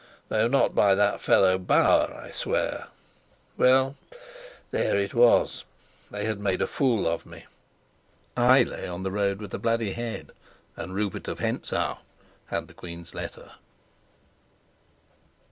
Though not by that fellow Bauer, I swear! Well, there it was. They had made a fool of me. I lay on the road with a bloody head, and Rupert of Hentzau had the queen's letter.